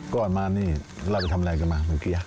ก่อนมานี่เราไปทำอะไรกันมาเมื่อกี้